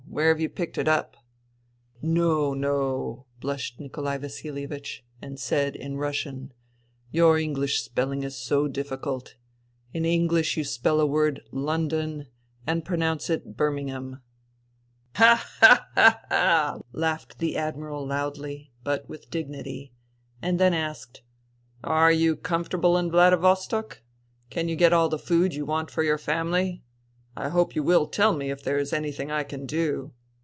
Where have you picked it up ?"" No, no," blushed Nikolai VasiHevich ; and said in Russian, " Your English spelling is so difficult. In English you spell a word ' London ' and pro nounce it ' Birmingham.' "" Ha ! ha ! ha ! ha !" laughed the Admiral loudly, but with dignity; and then asked, "Are you com fortable in Vladivostok ? Can you get all the food you want for your family ? I hope you will tell me if there is anything I can do